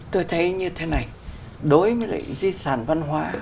tôi thấy như thế này đối với dịch sản văn hóa